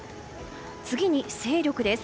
次に勢力です。